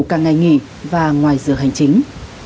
càng ngày nghỉ và ngoài dựa hành chính